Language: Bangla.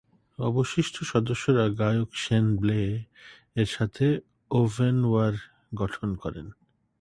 অবশিষ্ট সদস্যরা গায়ক শেন ব্লে এর সাথে ওভেনওয়ার গঠন করেন।